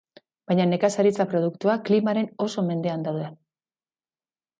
Baina nekazaritza produktuak klimaren oso mendean daude.